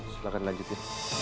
silahkan lanjut ya